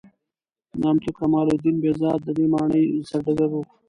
نامتو کمال الدین بهزاد د دې مانۍ بنسټګر و.